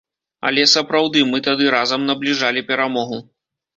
Але, сапраўды, мы тады разам набліжалі перамогу.